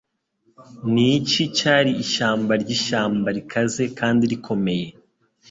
Niki cyari ishyamba ryishyamba rikaze kandi rikomeye